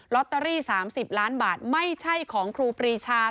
ตเตอรี่๓๐ล้านบาทไม่ใช่ของครูปรีชา